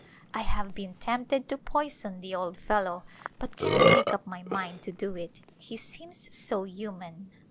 I have been tempted to poison the old fellow but cannot make up my mind to do it, he seems so human.